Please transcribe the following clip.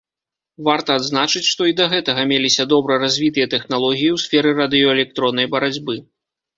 Варта адзначыць, што і да гэтага меліся добра развітыя тэхналогіі ў сферы радыёэлектроннай барацьбы.